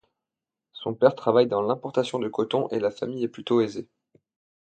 Son père travaille dans l'importation de coton et la famille est plutôt aisée.